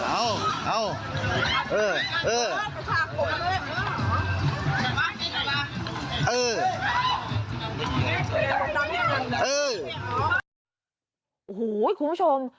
โอ้โหคุณผู้ชม